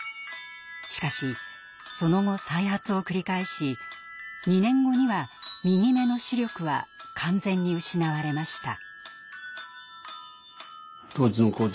しかしその後再発を繰り返し２年後には右目の視力は完全に失われました。